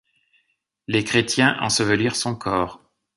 Les Chrétiens ensevelirent son corps.